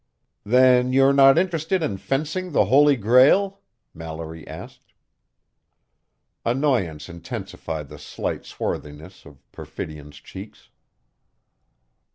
"Then you're not interested in fencing the Holy Grail?" Mallory asked. Annoyance intensified the slight swarthiness of Perfidion's cheeks.